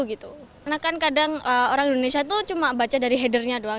karena kan kadang orang indonesia itu cuma baca dari headernya doang